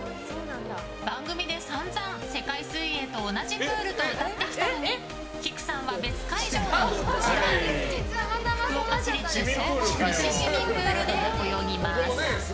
番組でさんざん世界水泳と同じプールとうたってきたのにきくさんは別会場のこちら福岡市立西市民プールで泳ぎます。